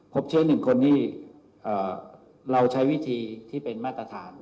พบเชื้อ๑คนที่เราใช้วิธีที่เป็นมาตรฐาน